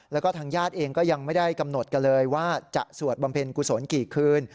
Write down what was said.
แล้วก็ทางญาติเองก็ยังไม่ได้กำหนดกันเลยว่าจะสวดบำเพ็ญกุศลกี่คืน